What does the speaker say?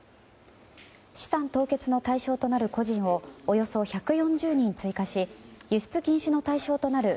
資産凍結の対象となる個人をおよそ１４０人追加し輸出禁止の対象となる